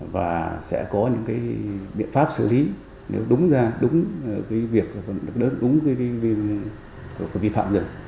và sẽ có những biện pháp xử lý nếu đúng ra đúng việc đúng vi phạm rừng